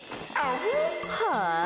はあ？